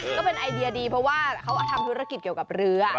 ก็เป็นไอเดียดีเพราะว่าเขาทำธุรกิจเกี่ยวกับเรือ